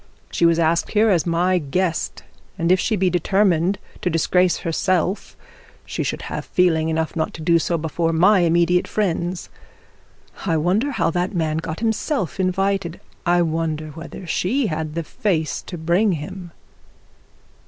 She was asked her as my guest; and if she be determined to disgrace herself, she should have feeling enough not to do so before my immediate friends. I wonder how that man got himself invited. I wonder whether she had the face to bring him.'